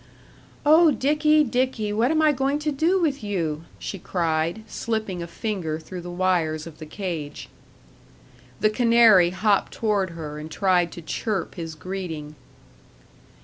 "Oh, Dickie, Dickie, what am I going to do with you?" she cried, slipping a finger through the wires of the cage. The canary hopped toward her and tried to chirp his greeting.